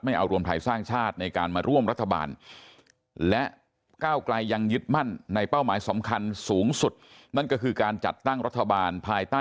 ไม่เอารวมไทยสร้างชาติในการมาร่วมรัฐบาล